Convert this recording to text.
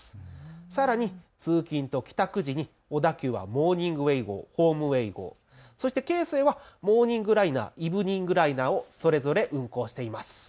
さらに通勤と帰宅時に小田急はモーニングウェイ号、ホームウェイ号、そして京成はモーニングライナー、イブニングライナーをそれぞれ運行しています。